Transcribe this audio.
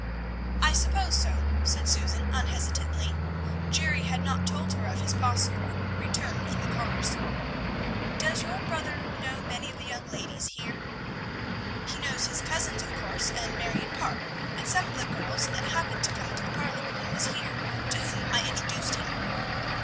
"I suppose so," said Susan unhesitatingly. Jerry had not told her of his possible return in the cars. "Does your brother know many of the young ladies here?" "He knows his cousins, of course, and Marion Parke, and some of the girls that happened to come into the parlor when he was here, to whom I introduced him."